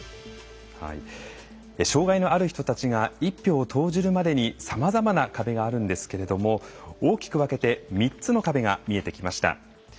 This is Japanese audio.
障害のある人たちが１票を投じるまでにさまざまな壁があるんですけれども大きく分けて３つの壁が見えてきました。